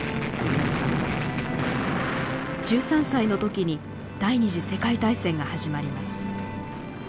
１３歳の時に第二次世界大戦が始まります。